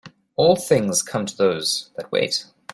All things come to those that wait.